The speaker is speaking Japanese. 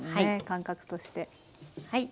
感覚として。